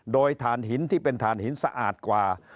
โดยฐานหินที่เป็นฐานหินสะอาดกว่า